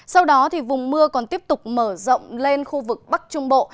sau đó vùng mưa còn tiếp tục mở rộng lên khu vực bắc trung bộ